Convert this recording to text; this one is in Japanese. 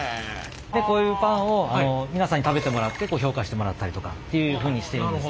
こういうパンを皆さんに食べてもらって評価してもらったりとかっていうふうにしているんですね。